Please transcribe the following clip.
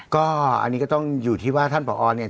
ก็อันนี้ก็ต้องอยู่ที่ว่าท่านผอเนี่ย